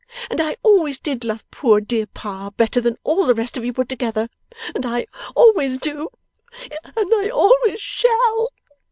And I always did love poor dear Pa better than all the rest of you put together, and I always do and I always shall!